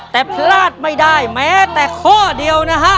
แต่พลาดไม่ได้แม้แต่ข้อเดียวนะฮะ